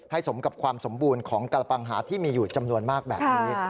สมกับความสมบูรณ์ของกระปังหาที่มีอยู่จำนวนมากแบบนี้